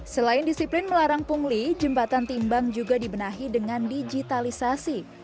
selain disiplin melarang pungli jembatan timbang juga dibenahi dengan digitalisasi